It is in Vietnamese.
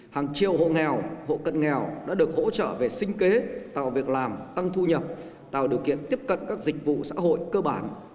hàng triệu hộ nghèo hộ cận nghèo đã được hỗ trợ về sinh kế tạo việc làm tăng thu nhập tạo điều kiện tiếp cận các dịch vụ xã hội cơ bản